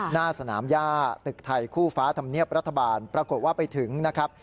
หน้าสนามย่าตึกไทยคู่ฟ้าธรรมเนียบรัฐบาลปรากฏว่าไปถึงนะครับ